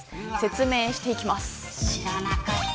説明していきます。